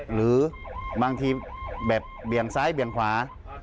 หรือบางทีแบบเบี่ยงซ้ายเบี่ยงขวา